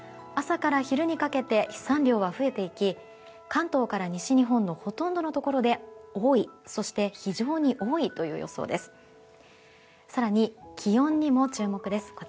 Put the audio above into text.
朝から昼にかけて飛散量は増えていき関東から西日本のほとんどのところで多い、そして非常に多いという予想です。